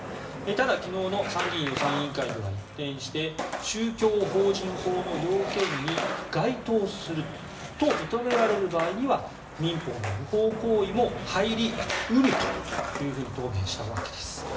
ただ、昨日の参議院予算委員会では一転して宗教法人法の要件に該当すると認められる場合には民法の不法行為も入り得ると答弁したわけです。